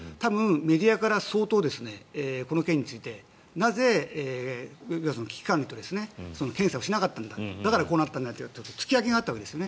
メディアから相当この件についてなぜ、エンゼルスの危機管理と検査をしなかったんだとだからこうなったんだと突き上げがあったわけです。